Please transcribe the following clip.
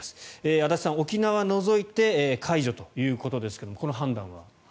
足立さん、沖縄を除いて解除ということですがこの判断は。